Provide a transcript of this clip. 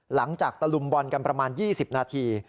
หลังจากตระลุมบอลกันประมาณ๒๐นาที